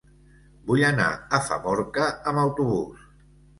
Vull anar a Famorca amb autobús.